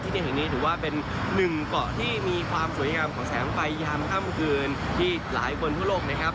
ที่จะเห็นนี้ถือว่าเป็นหนึ่งเกาะที่มีความสวยงามของแสงไฟยามค่ำคืนที่หลายคนทั่วโลกนะครับ